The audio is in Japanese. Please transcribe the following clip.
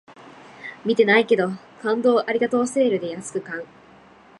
見てないけど、感動をありがとうセールで安く買う